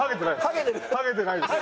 ハゲてないです。